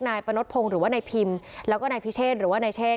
หรือว่าในพิมพ์แล้วก็ในพิเศษหรือว่าในเชษ